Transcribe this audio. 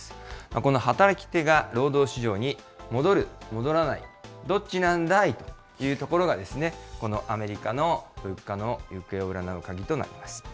この働き手が労働市場に戻る、戻らない、どっちなんだい？というところが、このアメリカの物価の行方を占う鍵となります。